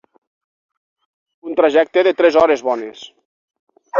Un trajecte de tres hores bones.